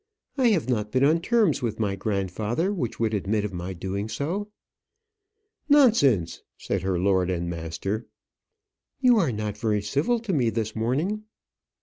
I have not been on terms with my grandfather which would admit of my doing so." "Nonsense!" said her lord and master. "You are not very civil to me this morning."